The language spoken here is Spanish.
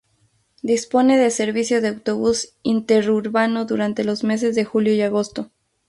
Dispone de servicio de autobús interurbano durante los meses de julio y agosto.